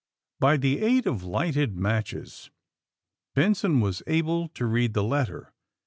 By the aid of lighted matches Benson was able to read the letter.